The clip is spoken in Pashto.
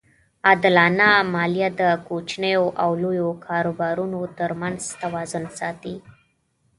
عادلانه مالیه د کوچنیو او لویو کاروبارونو ترمنځ توازن ساتي.